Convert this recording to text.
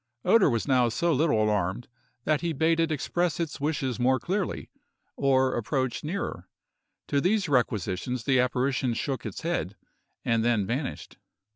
Oeder was now so little alarmed, that he bade it express its wishes more clearly, or approach nearer. To these requisitions the apparition shook its head, and then vanished.